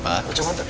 pak aku coba ntar